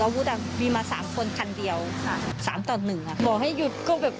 เขาไอ้นี่กันอยู่แล้วใส่กันอยู่แล้ว